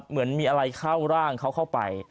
เหมือนมีอะไรเข้าร่างเขาเข้าไป